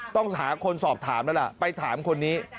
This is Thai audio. ต้องหาคนสอบถามแล้วล่ะไปถามคนนี้